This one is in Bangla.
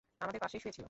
আমাদের পাশেই শুয়ে ছিল!